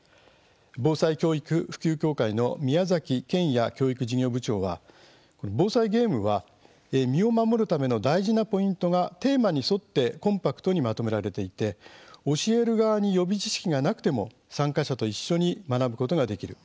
防災教育普及協会の宮崎賢哉教育事業部長は防災ゲームは身を守るための大事なポイントがテーマに沿ってコンパクトにまとめられていて教える側に予備知識がなくても参加者と一緒に学ぶことができる。